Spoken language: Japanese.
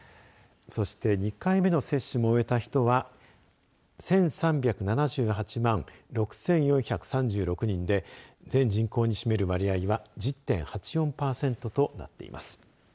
そして２回目の接種も終えた人は１３７８万６４３６人で全人口に占める割合は１０．８４パーセントとなっています。